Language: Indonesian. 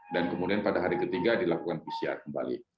dan kemudian pada hari ketiga dilakukan pcr kembali